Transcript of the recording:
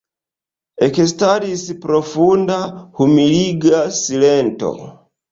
Ekstaris profunda, humiliga silento.